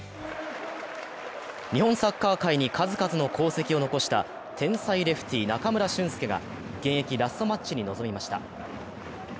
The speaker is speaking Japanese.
日本サッカー界に数々の功績を残した天才レフティー、中村俊輔が現役ラストマッチに臨みました。